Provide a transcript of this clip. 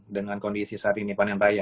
dengan kondisi saat ini panen raya